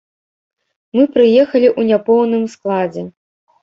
Мы прыехалі ў няпоўным складзе.